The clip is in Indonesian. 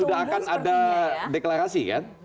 sudah akan ada deklarasi kan